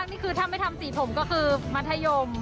นี่คือถ้าไม่ทำสีผมก็คือมัธยม